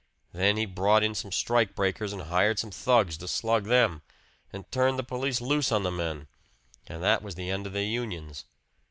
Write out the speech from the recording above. Then he brought in some strike breakers and hired some thugs to slug them, and turned the police loose on the men and that was the end of the unions.